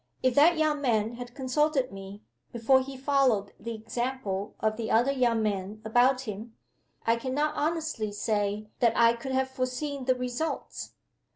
If that young man had consulted me, before he followed the example of the other young men about him, I can not honestly say that I could have foreseen the results.